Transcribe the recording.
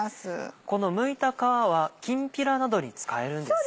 このむいた皮はきんぴらなどに使えるんですね。